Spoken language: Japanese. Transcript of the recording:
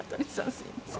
すいません。